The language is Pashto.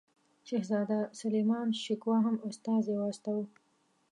شهزاده سلیمان شکوه هم استازی واستاوه.